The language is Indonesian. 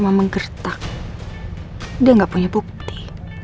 bukan cuma menggertak dia gak punya bukti